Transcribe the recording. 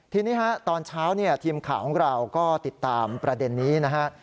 ทีนี้ฮะตอนเช้าเนี่ยทีมข่าวของเราก็ติดตามประเด็นนี้นะฮะ